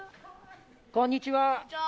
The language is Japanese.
こんにちは。